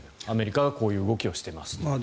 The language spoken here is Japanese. アメリカがこういう動きをしていますと。